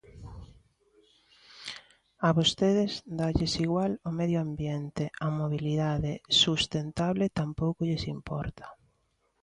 A vostedes dálles igual o medio ambiente; a mobilidade sustentable tampouco lles importa.